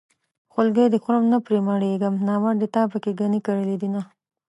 خولګۍ دې خورم نه پرې مړېږم نامردې تا پکې ګني کرلي دينه